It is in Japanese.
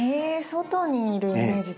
外にいるイメージ